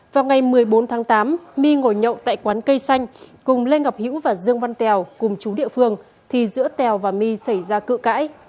vào ngày một mươi bốn tháng tám my ngồi nhậu tại quán cây xanh cùng lê ngọc hiễu và dương văn tèo cùng chú địa phương thì giữa tèo và my xảy ra cự cãi